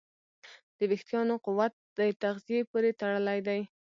د وېښتیانو قوت د تغذیې پورې تړلی دی.